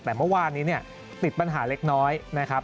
แต่เมื่อวานนี้เนี่ยติดปัญหาเล็กน้อยนะครับ